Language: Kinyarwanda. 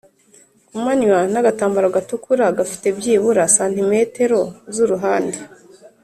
ku manywa n agatambaro gatukura gafite byibura santimetero z uruhande